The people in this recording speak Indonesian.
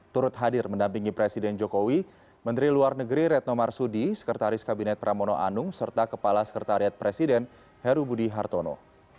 turut hadir mendampingi presiden jokowi menteri luar negeri retno marsudi sekretaris kabinet pramono anung serta kepala sekretariat presiden heru budi hartono